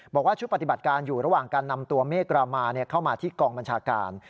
บอกว่าชุดปฏิบัติการอยู่ระหว่างการนำตัวเมฆรามาเข้ามาที่กองบัญชาการ